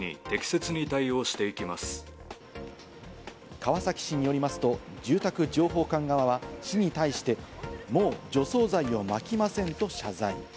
川崎市によりますと、住宅情報館側は市に対して、もう除草剤をまきませんと謝罪。